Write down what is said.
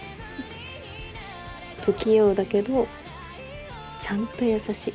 不器用だけどちゃんと優しい。